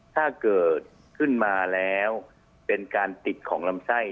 ถ้าเกิดขึ้นมาแล้วเป็นการติดของลำไส้